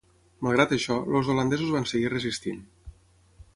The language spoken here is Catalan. Malgrat això, els holandesos van seguir resistint.